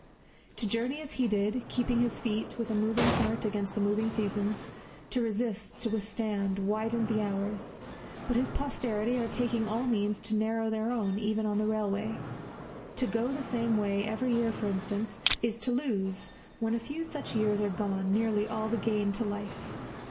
To journey as he did, keeping his feet, with a moving heart against the moving seasons, to resist, to withstand, widened the hours; but his posterity are taking all means to narrow their own, even on the railway. To go the same way every year, for instance, is to lose, when a few such years are gone, nearly all the gain to life.